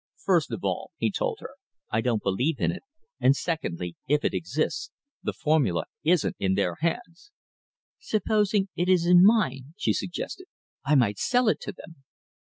"First of all," he told her, "I don't believe in it, and secondly, if it exists, the formula isn't in their hands." "Supposing it is in mine?" she suggested. "I might sell it to them."